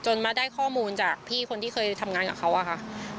มาได้ข้อมูลจากพี่คนที่เคยทำงานกับเขาอะค่ะ